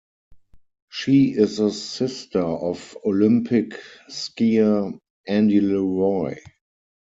She is the sister of Olympic skier, Andy LeRoy.